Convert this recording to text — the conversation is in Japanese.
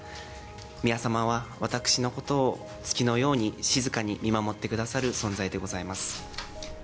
宮さまは、私のことを月のように静かに見守ってくださる存在でございます。